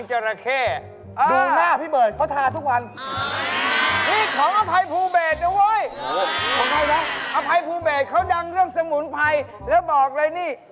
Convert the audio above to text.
ดอกคำด้วยคำ